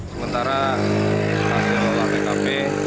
sementara hasil olah tkp